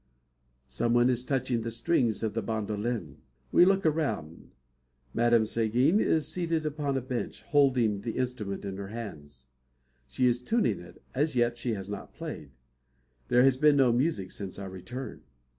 Someone is touching the strings of a bandolin. We look around. Madame Seguin is seated upon a bench, holding the instrument in her hands. She is tuning it. As yet she has not played. There has been no music since our return.